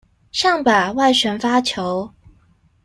上吧，外旋發球